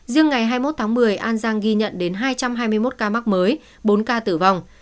riêng ngày hai mươi một tháng một mươi an giang ghi nhận đến hai trăm hai mươi một ca mắc mới bốn ca tử vong